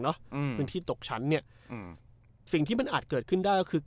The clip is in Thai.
อืมพื้นที่ตกชั้นเนี้ยอืมสิ่งที่มันอาจเกิดขึ้นได้ก็คือ